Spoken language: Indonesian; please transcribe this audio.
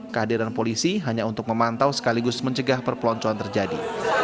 kehadiran polisi hanya untuk memantau sekaligus mencegah perpeloncoan terjadi